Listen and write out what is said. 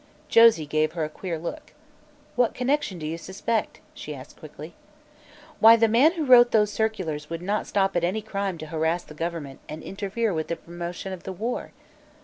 Josie gave her a queer look. "What connection do you suspect?" she asked quickly. "Why, the man who wrote those circulars would not stop at any crime to harass the government and interfere with the promotion of the war."